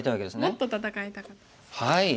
もっと戦いたかったです。